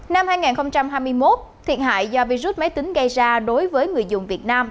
năm hai nghìn hai mươi một thiệt hại do virus máy tính gây ra đối với người dùng việt nam